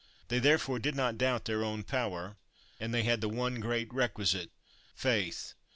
They, therefore, did not doubt their own power, and they had the one great requisite, faith.